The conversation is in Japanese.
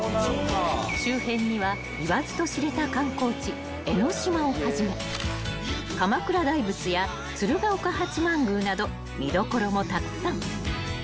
［周辺には言わずと知れた観光地江の島をはじめ鎌倉大仏や鶴岡八幡宮など見どころもたくさん］